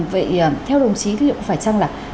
vậy theo đồng chí thì có phải chăng là